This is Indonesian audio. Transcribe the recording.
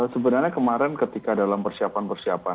sebenarnya kemarin ketika dalam persiapan persiapan